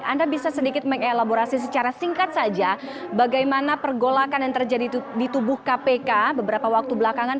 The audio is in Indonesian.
anda bisa sedikit mengelaborasi secara singkat saja bagaimana pergolakan yang terjadi di tubuh kpk beberapa waktu belakangan